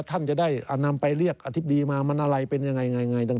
ท่านจะได้ไปเรียบอธิบดีมามันอะไรเป็นไงต่าง